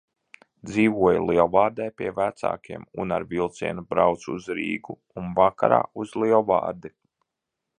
Dzīvoju Lielvārdē pie vecākiem un ar vilcienu braucu uz Rīgu un vakarā uz Lielvārdi.